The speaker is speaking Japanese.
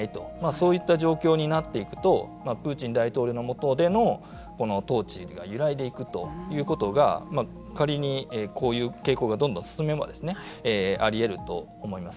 そういった状況になっていくとプーチン大統領のもとでのこの統治が揺らいでいくということが仮にこういう傾向がどんどん進めばあり得ると思います。